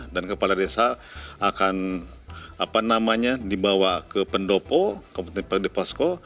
dan kepala desa akan dibawa ke pendopo ke pondipo di pasko